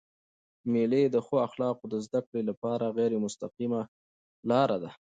مېلې د ښو اخلاقو د زدهکړي له پاره غیري مستقیمه لار ده.